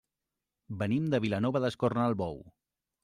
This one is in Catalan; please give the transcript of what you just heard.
Venim de Vilanova d'Escornalbou.